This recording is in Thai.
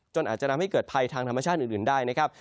อาจจะทำให้เกิดภัยทางธรรมชาติอื่นได้นะครับ